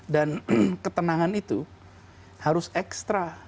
dan ketenangan itu harus ekstra